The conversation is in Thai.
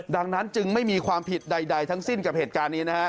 ดังนั้นจึงไม่มีความผิดใดทั้งสิ้นกับเหตุการณ์นี้นะฮะ